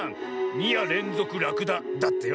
「にやれんぞくラクダ」だってよ。